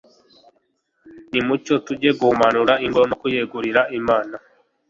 nimucyo tujye guhumanura ingoro no kuyegurira imana